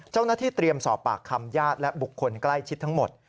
เจ้าหน้าที่เตรียมสอบปากคำญาติและบุคคลใกล้ชิดทั้งหมด